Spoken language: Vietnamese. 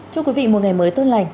chúc quý vị một ngày mới tốt lành